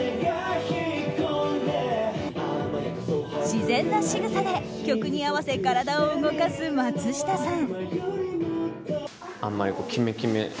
自然なしぐさで曲に合わせ体を動かす松下さん。